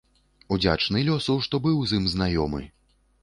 Удзячны лёсу, што быў з ім знаёмы.